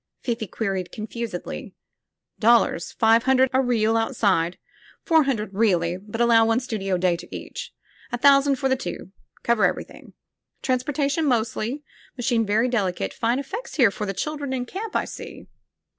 Fifi queried confusedly. "Dollars. Five hundred a reel, outside. Four hun dred, really, but allow one studio day to each. A thousand for the two — cover everything. Transportation mostI3^ ]).Iachine very delicate. Fine effects here for the children in camp, I see."